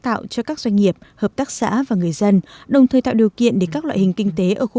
tạo cho các doanh nghiệp hợp tác xã và người dân đồng thời tạo điều kiện để các loại hình kinh tế ở